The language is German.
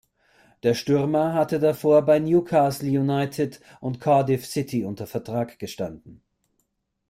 Der Stürmer hatte davor bei Newcastle United und Cardiff City unter Vertrag gestanden.